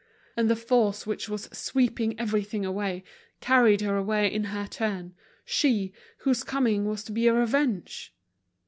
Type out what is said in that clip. And the force which was sweeping everything away, carried her away in her turn, she, whose coming was to be a revenge.